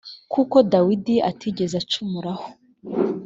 kuko dawidi atigeze agucumuraho